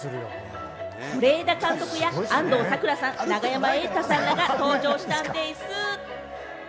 是枝監督や安藤サクラさん、永山瑛太さんらが登場したんでぃす。